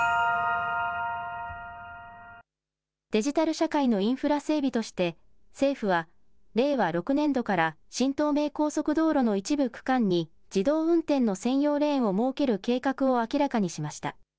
デジタル社会のインフラ整備として、政府は、令和６年度から、新東名高速道路の一部区間に、自動運転の専用レーンを設ける計画を明らかにしました。